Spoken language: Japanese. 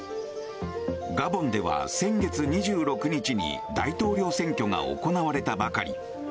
ガボンでは先月２６日に大統領選挙が行われたばかり。